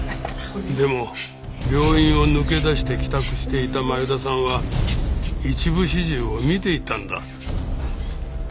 でも病院を抜け出して帰宅していた前田さんは一部始終を見ていたんだ。